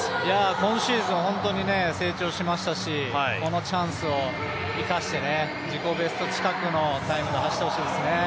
今シーズン本当に成長しましたし、このチャンスを生かして、自己ベスト近くのタイムで走ってほしいですね。